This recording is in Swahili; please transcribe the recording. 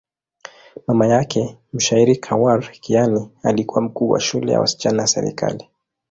Mama yake, mshairi Khawar Kiani, alikuwa mkuu wa shule ya wasichana ya serikali.